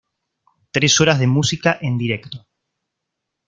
Tres horas de música en directo.